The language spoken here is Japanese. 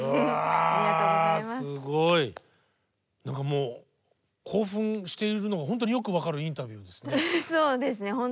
何かもう興奮しているのが本当によく分かるインタビューですね。